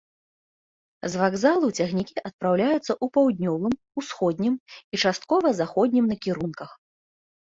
З вакзалу цягнікі адпраўляюцца ў паўднёвым, усходнім і часткова заходнім накірунках.